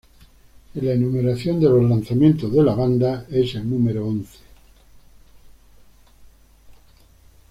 En la enumeración de los lanzamientos de la banda, es el número once.